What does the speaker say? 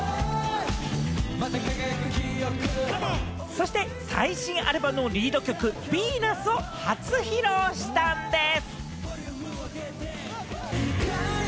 そして最新アルバムのリード曲『Ｖｅｎｕｓ』を初披露したんです。